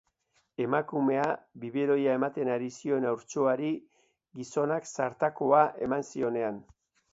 Emakumea biberoia ematen ari zion haurtxoari gizonak zartakoa eman zionean.